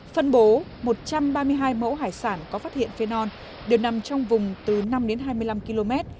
phân bố một trăm ba mươi hai mẫu hải sản có phát hiện phenol đều nằm trong vùng từ năm đến hai mươi năm km